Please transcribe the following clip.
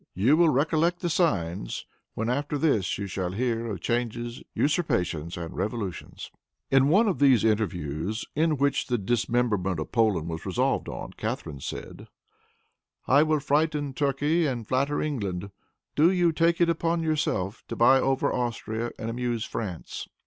You will recollect the signs when, after this, you shall hear of changes, usurpations and revolutions." In one of these interviews, in which the dismemberment of Poland was resolved on, Catharine said, "I will frighten Turkey and flatter England. Do you take it upon yourself to buy over Austria, and amuse France."